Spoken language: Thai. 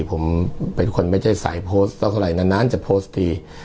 ผมเป็นคนไม่ใช่ใสโพสต์เท่าไหร่นานนานจะโพสต์ดี